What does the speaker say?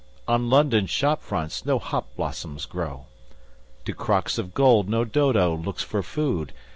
On London shop fronts no hop blossoms grow. To crocks of gold no Dodo looks for food.